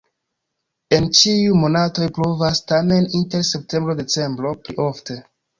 En ĉiuj monatoj pluvas, tamen inter septembro-decembro pli ofte.